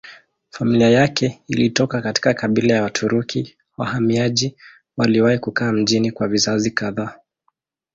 Familia yake ilitoka katika kabila ya Waturuki wahamiaji waliowahi kukaa mjini kwa vizazi kadhaa.